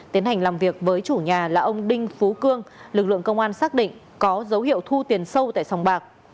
tiến hành làm việc với chủ nhà là ông đinh phú cương lực lượng công an xác định có dấu hiệu thuốc